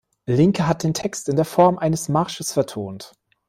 Lincke hat den Text in der Form eines Marsches vertont.